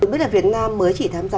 tôi biết là việt nam mới chỉ tham gia